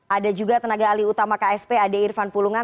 ada juga tenaga alih utama ksp ade irfan pulungan